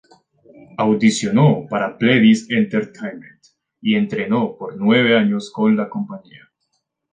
Audicionó para Pledis Entertainment y entrenó por nueve años con la compañía.